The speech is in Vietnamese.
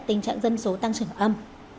tình trạng dân số tăng trưởng âm